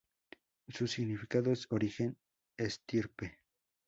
Su significado es "origen, estirpe".